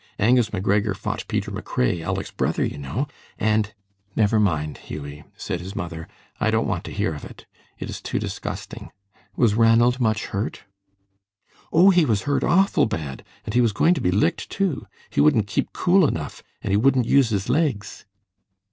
Angus McGregor fought Peter McRae, Aleck's brother, you know and " "Never mind, Hughie," said his mother. "I don't want to hear of it. It is too disgusting. Was Ranald much hurt?" "Oh, he was hurt awful bad, and he was going to be licked, too. He wouldn't keep cool enough, and he wouldn't use his legs."